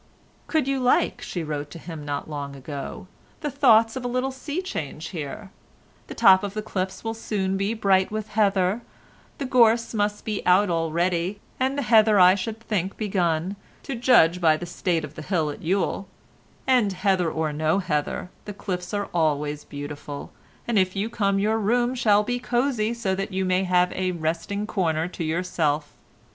"Could you like," she wrote to him not long ago, "the thoughts of a little sea change here? The top of the cliffs will soon be bright with heather: the gorse must be out already, and the heather I should think begun, to judge by the state of the hill at Ewell, and heather or no heather—the cliffs are always beautiful, and if you come your room shall be cosy so that you may have a resting corner to yourself.